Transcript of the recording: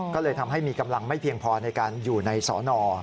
ก็เลยทำให้มีกำลังไม่เพียงพอในการอยู่ในสอนอ